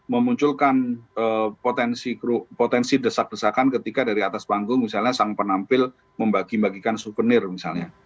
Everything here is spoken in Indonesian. memunculkan potensi desak desakan ketika dari atas panggung misalnya sang penampil membagi bagikan souvenir misalnya